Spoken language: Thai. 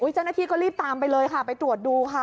เจ้าหน้าที่ก็รีบตามไปเลยค่ะไปตรวจดูค่ะ